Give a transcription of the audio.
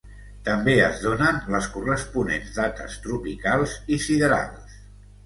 També es donen les corresponents dates tropicals i siderals.